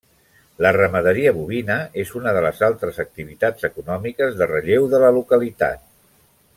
La ramaderia bovina és una de les altres activitats econòmiques de relleu de la localitat.